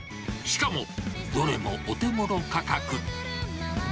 しかも、どれもお手ごろ価格。